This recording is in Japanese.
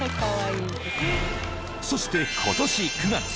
［そして今年９月］